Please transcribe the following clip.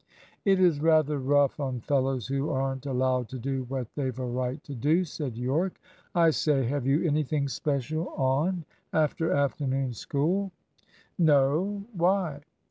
"It is rather rough on fellows who aren't allowed to do what they've a right to do," said Yorke. "I say, have you anything special on after afternoon school?" "No, why?"